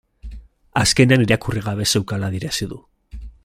Azkenean irakurri gabe zeukala adierazi du